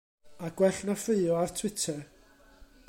A gwell na ffraeo ar Twitter.